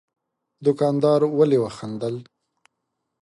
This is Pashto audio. دوکاندار ولي وخندل؟